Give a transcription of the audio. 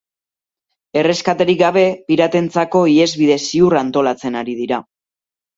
Erreskaterik gabe, piratentzako ihesbide ziurra antolatzen ari dira.